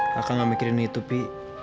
kakak gak mikirin itu pi